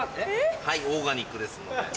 はいオーガニックですので。